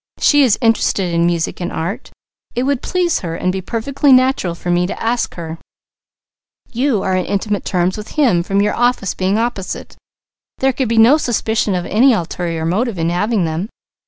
She is interested in music and art; it would please her and be perfectly natural for me to ask her; you are on intimate terms with him from your offices being opposite; there could be no suspicion of any ulterior motive in having them.